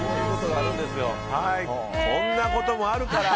こんなこともあるから